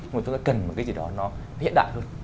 mà chúng ta cần một cái gì đó nó hiện đại hơn